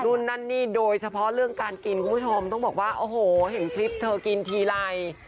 นั่นนี่โดยเฉพาะเรื่องการกินคุณผู้ชมต้องบอกว่าโอ้โหเห็นคลิปเธอกินทีไร